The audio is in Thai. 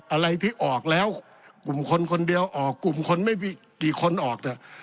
อะไรที่ออกแล้วกลุ่มคนคนเดียวออกกลุ่มคนไม่กี่คนออกเนี่ย